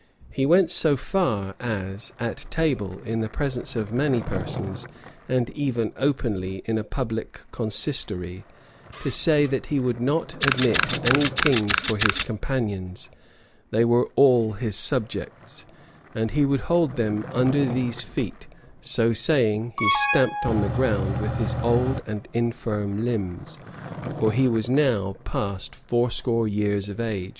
He went so far as, at table, in the presence of many persons, and even openly, in a public consistory, to say, that he would not admit any kings for his companions; they were all his subjects, and he would hold them under these feet: so saying, he stamped on the ground with his old and infirm limbs: for he was now past fourscore years of age.